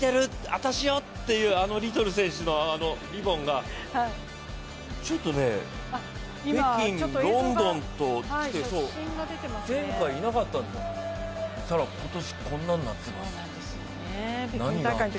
私よっていう、あのリトル選手のリボンがちょっとね、北京、ロンドンと前回、いなかったんですけど今年こんなになってるんです。